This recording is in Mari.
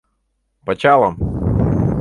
— Пычалым!